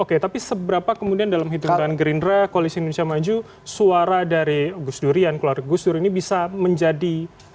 oke tapi seberapa kemudian dalam hitungan gerindra koalisi indonesia maju suara dari gus durian keluarga gus duri ini bisa menjadi